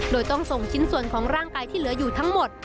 โดยต้องส่งชิ้นส่วนของร่างกายที่เหลืออยู่ทั้งหมด